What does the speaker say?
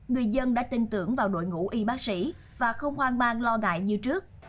người dân đã tin tưởng vào đội ngũ y bác sĩ và không hoang mang lo ngại như trước